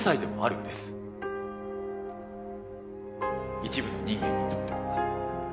一部の人間にとっては。